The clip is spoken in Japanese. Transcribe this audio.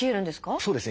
そうですね。